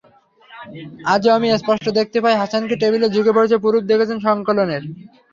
আজও আমি স্পষ্ট দেখতে পাই হাসানকে, টেবিলে ঝুঁকে পড়ে প্রুফ দেখছেন সংকলনের।